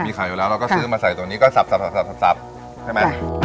มีขายอยู่แล้วเราก็ซื้อมาใส่ตัวนี้ก็สับใช่ไหม